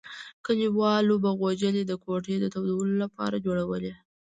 کلیوالو به غوجلې د کوټې د تودولو لپاره جوړولې.